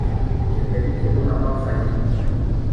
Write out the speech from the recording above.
και πρέπει κι εκεί να πάω φαγί